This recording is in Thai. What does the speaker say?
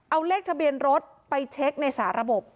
เอาเลขทะเบียนรถไปเช็คในสาระบบ